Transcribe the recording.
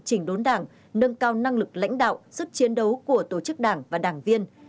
chỉnh đốn đảng nâng cao năng lực lãnh đạo sức chiến đấu của tổ chức đảng và đảng viên